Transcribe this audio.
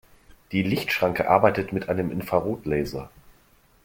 Die Lichtschranke arbeitet mit einem Infrarotlaser.